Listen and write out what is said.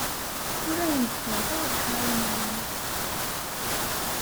Ur awen-d-ferrḍeɣ lḥaṛa-nwen.